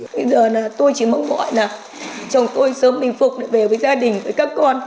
bây giờ tôi chỉ mong mọi là chồng tôi sớm bình phục để về với gia đình với các con